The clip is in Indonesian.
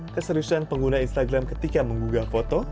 keseriusan pengguna instagram ketika menggugah foto